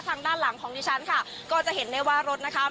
ทางด้านหลังของดิฉันค่ะก็จะเห็นได้ว่ารถนะคะ